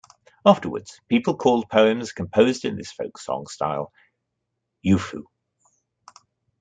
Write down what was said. Afterwards, people called poems composed in this folk song style "yuefu".